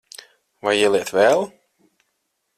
Vai ieliet vēl?